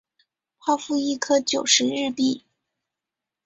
泡芙一颗九十日币